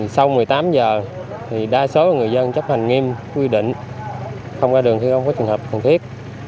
sau một mươi tám giờ đa số người dân chấp hành nghiêm quy định không qua đường khi không có trường hợp cần thiết